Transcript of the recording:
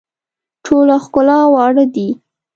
ټوله ښکلا واړه دي.